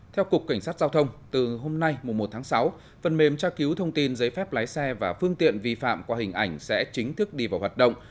theo cục cảnh sát giao thông từ hôm nay mùa một tháng sáu phần mềm tra cứu thông tin giấy phép lái xe và phương tiện vi phạm qua hình ảnh sẽ chính thức đi vào hoạt động